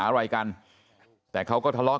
กระดิ่งเสียงเรียกว่าเด็กน้อยจุดประดิ่ง